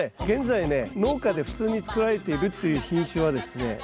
現在ね農家で普通に作られているっていう品種はですね